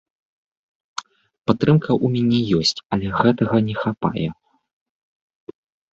Падтрымка ў мяне ёсць, але гэтага не хапае.